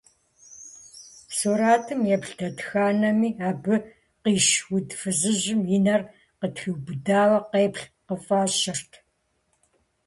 Сурэтым еплъ дэтхэнэми, абы къищ уд фызыжьым и нэр къытриубыдауэ къеплъ къыфӏэщӏырт.